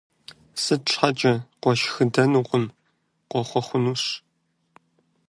Сыт щхьэкӀэ? Къошхыдэнукъым, къохъуэхъунущ.